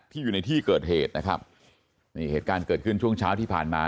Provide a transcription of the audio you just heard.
อยู่ในที่เกิดเหตุนะครับนี่เหตุการณ์เกิดขึ้นช่วงเช้าที่ผ่านมา